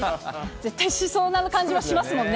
絶対しそうな感じはしますもんね。